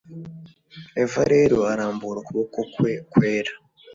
Eva rero arambura ukuboko kwe kwera